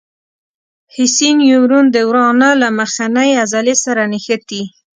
حسي نیورون د ورانه له مخنۍ عضلې سره نښتي.